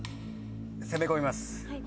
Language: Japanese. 攻め込みます。